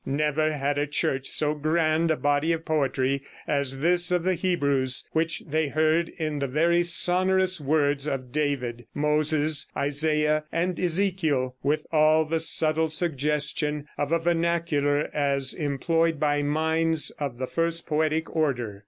Never had a church so grand a body of poetry as this of the Hebrews, which they heard in the very sonorous words of David, Moses, Isaiah and Ezekiel, with all the subtle suggestion of a vernacular as employed by minds of the first poetic order.